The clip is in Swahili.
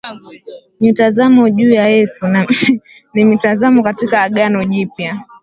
Mitazamo juu ya Yesu ni mitazamo katika Agano Jipya